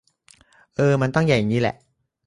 เออ มันต้องใหญ่งี้แหละ